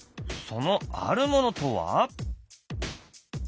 そのあるものとは？